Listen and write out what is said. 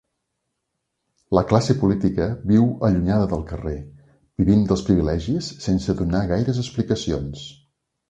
La classe política viu allunyada del carrer, vivint dels privilegis sense donar gaires explicacions.